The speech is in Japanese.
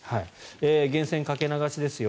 源泉かけ流しですよ